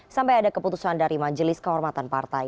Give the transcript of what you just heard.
sampai ada keputusan dari majelis kehormatan partai